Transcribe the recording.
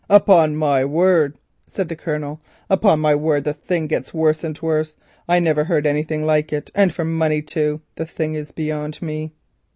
"Upon my word," said the Colonel, "upon my word the thing gets worse and worse. I never heard anything like it; and for money too! The thing is beyond me."